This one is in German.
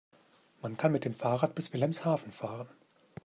Man kann mit dem Fahrrad bis Wilhelmshaven fahren